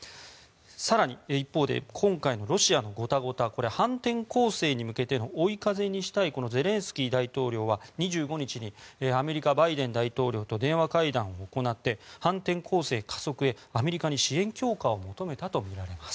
更に、一方で今回のロシアのごたごた反転攻勢に向けての追い風にしたいこのゼレンスキー大統領は２５日にアメリカ、バイデン大統領と電話会談を行って反転攻勢加速へ、アメリカに支援強化を求めたとみられます。